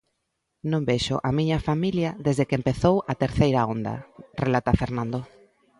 Non vexo a miña familia desde que empezou a terceira onda, relata Fernando.